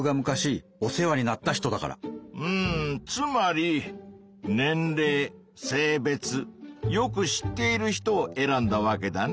つまり年れい性別よく知っている人を選んだわけだね。